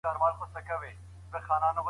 حکومتونه څنګه د کارګرانو ساتنه کوي؟